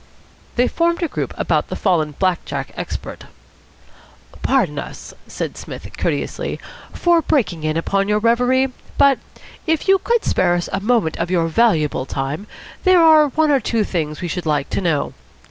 They formed a group about the fallen black jack expert. "Pardon us," said Psmith courteously, "for breaking in upon your reverie; but, if you could spare us a moment of your valuable time, there are one or two things which we should like to know."